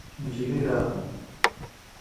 نجلۍ راغله.